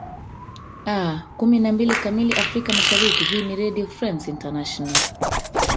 aa kumi na mbili kamili afrika mashariki hii ni redio france international